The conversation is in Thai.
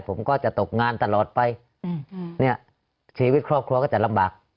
ผมก็จะตกงานตลอดไปเนี่ยชีวิตครอบครัวก็จะลำบาก